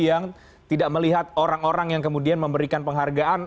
yang tidak melihat orang orang yang kemudian memberikan penghargaan